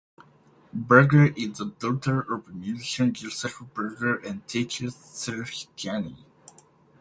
Berger is the daughter of musician Josef Berger and teacher Therese Jany.